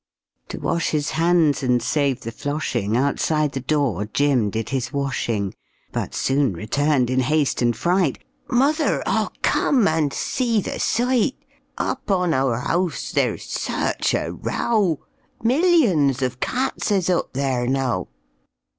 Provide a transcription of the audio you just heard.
To wash his hands and save the floshing, Outside the door Jim did his washing, But soon returned in haste and fright "Mother, aw come! and see the sight; Up on our house there's such a row, Millions of cats es up there now!"